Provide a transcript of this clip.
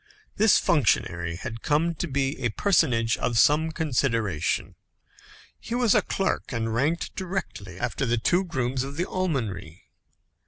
This functionary had come to be a personage of some consideration. He was a clerk, and ranked directly after the two grooms of the almonry.